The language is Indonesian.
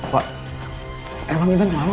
pak emang intan kenapa pak